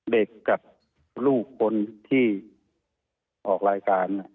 เด็กกับลูกคนที่ออกรายการ